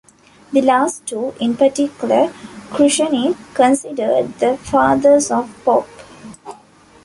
The last two, in particular, Krushenick considered the fathers of pop.